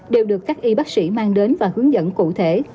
đều được các y bác sĩ mang đến và hướng dẫn cụ thể